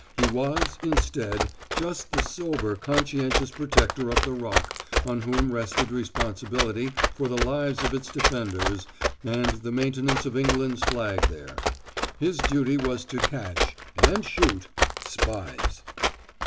He was, instead, just the sober, conscientious protector of the Rock on whom rested responsibility for the lives of its defenders and the maintenance of England's flag there. His duty was to catch and shoot spies.